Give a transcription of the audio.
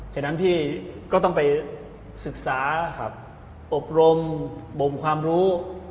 ฉะนั้นพี่ก็ต้องไปศึกษาอบรมบมความรู้